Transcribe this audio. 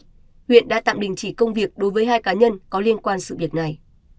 huyện đã tạm đình chỉ công việc đối với hai cá nhân có liên quan sự việc này